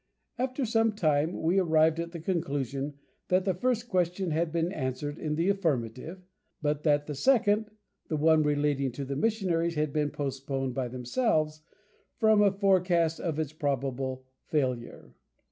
After some time, we arrived at the conclusion that the first question had been answered in the affirmative; but that the second, the one relating to the missionaries, had been postponed by themselves from a forecast of its probable failure.